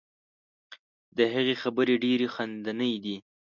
د هغې خبرې ډیرې خندنۍ دي.